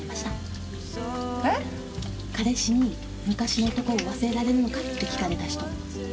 彼氏に「昔の男を忘れられるのか？」って聞かれた人。